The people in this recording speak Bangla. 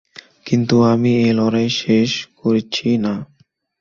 কিন্তু আমি এই লড়াই শেষ করছি না।